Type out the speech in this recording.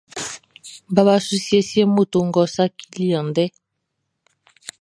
Baba su siesie moto ngʼɔ saciliʼn andɛ.